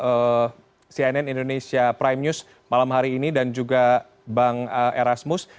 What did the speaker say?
terima kasih prof henry atas kehadirannya di cnn indonesia prime news malam hari ini dan juga bang erasmus